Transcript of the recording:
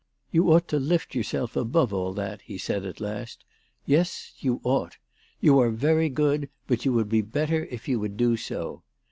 " You ought to lift yottrself above all that," he said at last. " Yes ; you ought. You are very good, but you would be better if you would do so.